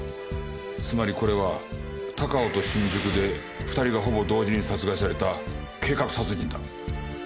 つまりこれは高尾と新宿で２人がほぼ同時に殺害された計画殺人だ。